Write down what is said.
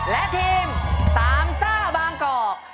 และทีมสามซ่าบางกอก